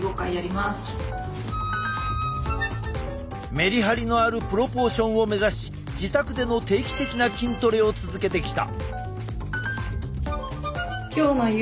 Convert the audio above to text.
メリハリのあるプロポーションを目指し自宅での定期的な筋トレを続けてきた。